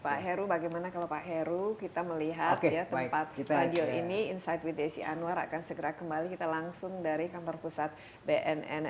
pak heru bagaimana kalau pak heru kita melihat tempat radio ini insight with desi anwar akan segera kembali kita langsung dari kantor pusat bnn